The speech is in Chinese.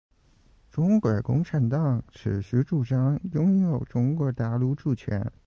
中国共产党持续主张拥有中国大陆主权。